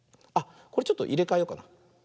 これちょっといれかえようかな。